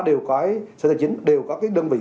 đều có cái đơn vị